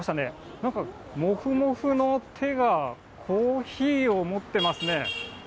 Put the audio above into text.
なんかモフモフの手がコーヒーを持ってますね。